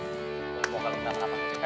gue gak peduli kenapa